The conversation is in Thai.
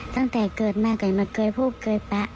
ตั้งแต่เกิดมากันมาเกิดพูดเกิดปะ